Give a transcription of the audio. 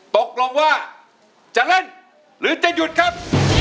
ตกลงว่าจะเล่นหรือจะหยุดครับ